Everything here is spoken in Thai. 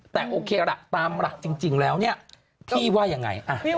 แต่โอเคละตามละจริงแล้วนี่พี่ว่าอย่างไร